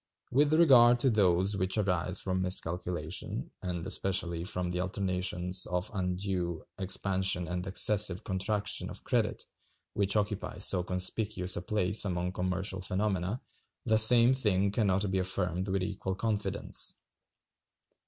With regard to those which arise from miscalculation, and especially from the alternations of undue expansion and excessive contraction of credit, which occupy so conspicuous a place among commercial phenomena, the same thing can not be affirmed with equal confidence.